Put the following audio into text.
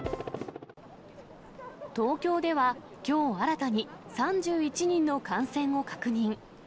東京では、きょう新たに３１人の感染を確認。